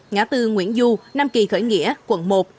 ngã tư nguyễn du nam kỳ khởi nghĩa quận một